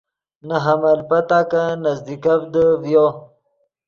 نے حمل پتاکن نزدیکڤدے ڤیو۔